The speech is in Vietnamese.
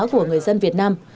của người dân việt nam